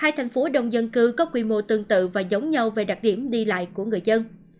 hai thành phố đông dân cư có quy mô tương tự và giống nhau về đặc điểm đi lại của người dân